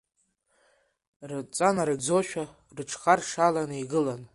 Рыдҵа нарыгӡошәа, рыҽхаршаланы игылан.